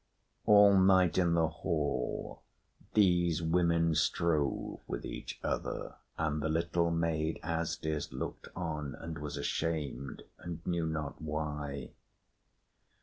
All night in the hall these women strove with each other; and the little maid, Asdis, looked on, and was ashamed and knew not why.